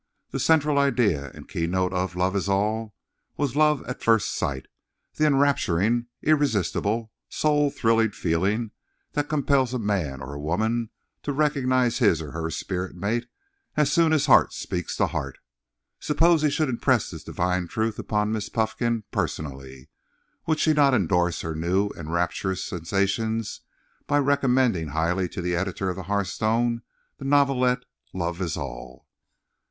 The central idea and keynote of "Love Is All" was love at first sight—the enrapturing, irresistible, soul thrilling feeling that compels a man or a woman to recognize his or her spirit mate as soon as heart speaks to heart. Suppose he should impress this divine truth upon Miss Puffkin personally!—would she not surely indorse her new and rapturous sensations by recommending highly to the editor of the Hearthstone the novelette "Love Is All"?